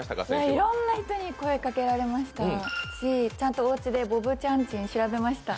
いろいろな人に声かけられましたし、ちゃんと、おうちでボブチャンチン調べました。